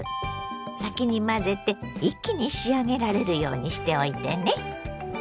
先に混ぜて一気に仕上げられるようにしておいてね。